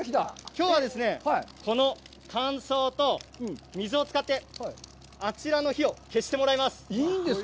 きょうはですね、水を使ってあちらの火を消してもらいます。